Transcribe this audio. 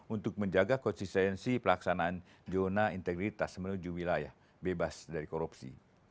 untuk menjaga konsistensi pelaksanaan zona integritas menuju wilayah bebas dari korupsi